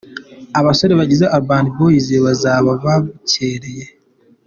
Abasore bagize Urban Boys bazaba babucyereye.